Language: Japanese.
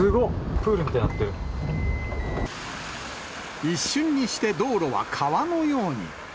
プ一瞬にして道路は川のように。